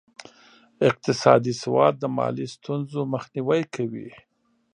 اقتصادي سواد د مالي ستونزو مخنیوی کوي.